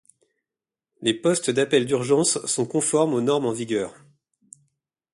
Les postes d’appel d’urgence sont conformes aux normes en vigueur.